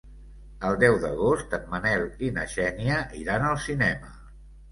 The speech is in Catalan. El deu d'agost en Manel i na Xènia iran al cinema.